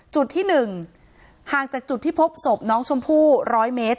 จุดที่๑ห่างจากจุดที่พบศพน้องชมพู่๑๐๐เมตร